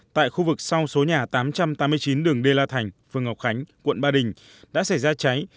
tại khu vực sau số nhà tám trăm tám mươi chín đường đê la thành phường ngọc khánh quận ba đình đã xảy ra cháy